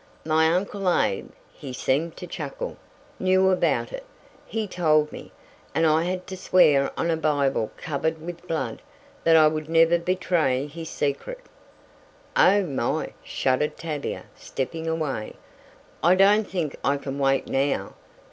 My uncle Abe" he seemed to chuckle "knew about it, he told me, and I had to swear on a Bible covered with blood, that I would never betray his secret!" "Oh, my!" shuddered Tavia stepping away. "I don't think I can wait now."